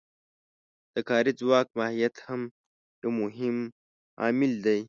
د کاري ځواک ماهیت هم یو مهم عامل دی